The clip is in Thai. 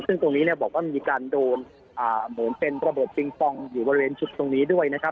ซึ่งตรงนี้บอกว่ามีการโดนโหมดเป็นระบบฟิงฟองอยู่บริเวณชุดตรงนี้ด้วยนะครับ